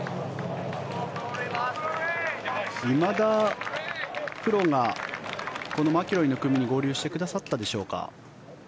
今田プロが、このマキロイの組に合流してくださったでしょうか。